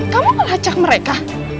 kamu ngelacak mereka